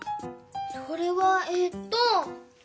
それはええっと。